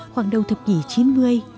khoảng đầu thập kỷ chín mươi